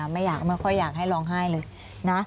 ไม่ค่อยอยากให้ร้องไห้เลยนะ